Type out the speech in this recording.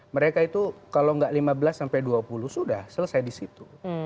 mereka itu kalau nggak lima belas sampai dua puluh sudah selesai di situ